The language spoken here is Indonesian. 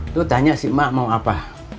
tuh tanya si emak mau apa